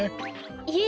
いえ。